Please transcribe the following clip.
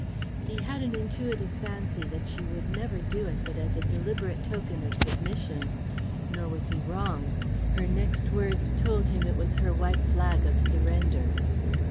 He had an intuitive fancy that she would never do it but as a deliberate token of submission. Nor was he wrong. Her next words told him it was her white flag of surrender.